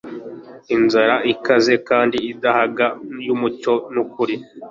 Inzara ikaze kandi idahaga yumucyo nukuri